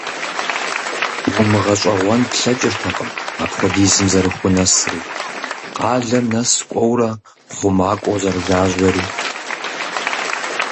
УмыгъэщӀэгъуэн плъэкӀыртэкъым апхуэдизым зэрыхунэсри, къалэм нэс кӀуэурэ, хъумакӀуэу зэрылажьэри.